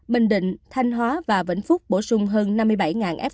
bình định thanh hóa và vĩnh phúc bổ sung hơn năm mươi bảy f